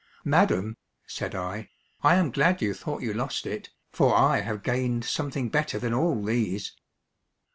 "Madame," said I, "I am glad you thought you lost it, for I have gained something better than all these."